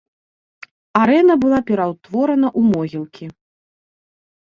Арэна была пераўтворана ў могілкі.